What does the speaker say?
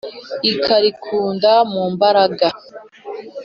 ikarikunda mu mbaraga